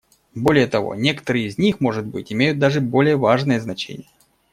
Более того, некоторые из них, быть может, имеют даже более важное значение.